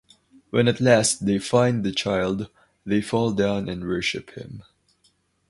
When at last they find the child, they fall down and worship him.